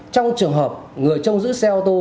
trong trường hợp người trong giữ xe ô tô